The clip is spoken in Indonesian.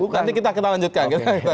nanti kita lanjutkan